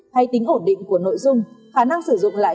hay tính ổn định của nội dung khả năng sử dụng lại